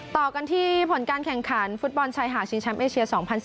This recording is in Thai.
ต่อกันที่ผลการแข่งขันฟุตบอลชายหาดชิงแชมป์เอเชีย๒๐๑๙